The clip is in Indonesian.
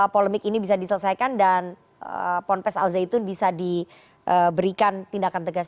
polemik ini bisa diselesaikan dan ponpes al zaitun bisa diberikan tindakan tegas